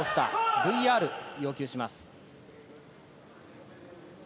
ＶＲを要求します。